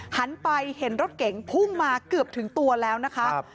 หันไปเห็นรถเก๋งพุ่งมาเกือบถึงตัวแล้วนะคะ